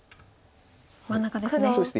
真ん中ですね。